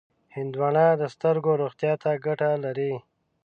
هندوانه د سترګو روغتیا ته ګټه لري.